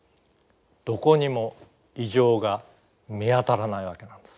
どこにも異常が見当たらないわけなんです。